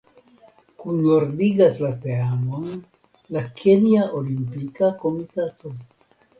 Kunordigas la teamon la Kenja Olimpika Komitato.